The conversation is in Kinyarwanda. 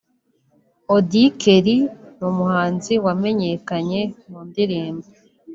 Auddy Kelly ni umuhanzi wamenyekanye mu ndirimbo